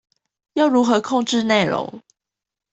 要如何控制内容